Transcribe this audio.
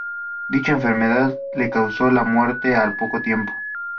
Dicha enfermedad le causó la muerte al poco tiempo.